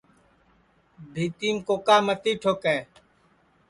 بھِیتِیم کوکا متی ٹھوکے